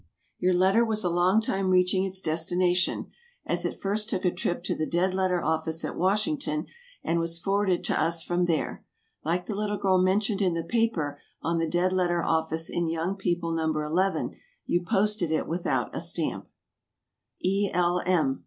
Your letter was a long time reaching its destination, as it first took a trip to the Dead letter Office at Washington, and was forwarded to us from there. Like the little girl mentioned in the paper on the Dead letter Office in Young People, No. 11, you posted it without a stamp. E. L. M.